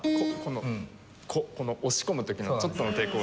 この押し込む時のちょっとの抵抗が。